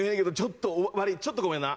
ちょっとごめんな。